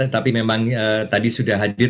tapi memang tadi sudah hadir